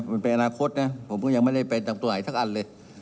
มันเป็นอนาคตนะผมก็ยังไม่ได้เป็นตัวไหนสักอันเลย